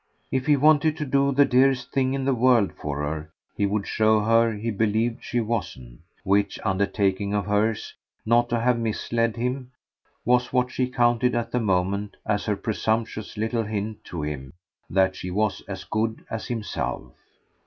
If he wanted to do the dearest thing in the world for her he would show her he believed she wasn't; which undertaking of hers not to have misled him was what she counted at the moment as her presumptuous little hint to him that she was as good as himself.